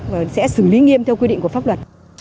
và sẽ xử lý nghiêm theo quy định của pháp luật